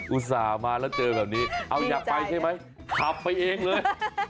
ต่ามาแล้วเจอแบบนี้เอาอยากไปใช่ไหมขับไปเองเลย